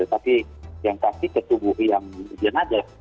tapi yang pasti ketubuh yang ijen aja